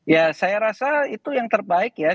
ya saya rasa itu yang terbaik ya